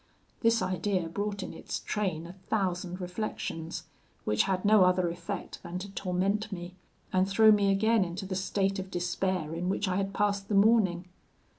This idea brought in its train a thousand reflections, which had no other effect than to torment me, and throw me again into the state of despair in which I had passed the morning.